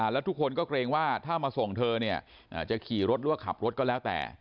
แล้วทุกคนก็เกรงว่าถ้ามาส่งเธอเนี่ยจะขี่รถหรือว่าขับรถก็แล้วแต่